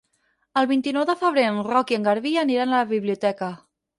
El vint-i-nou de febrer en Roc i en Garbí aniran a la biblioteca.